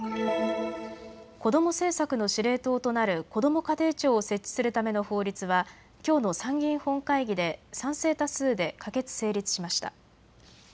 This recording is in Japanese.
子ども政策の司令塔となるこども家庭庁を設置するための法律はきょうの参議院本会議で賛成多数で可決・成立しました。